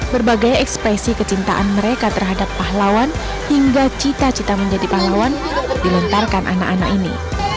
berbagai ekspresi kecintaan mereka terhadap pahlawan hingga cita cita menjadi pahlawan dilentarkan anak anak ini